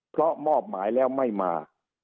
เพราะมอบหมายแล้วไม่มา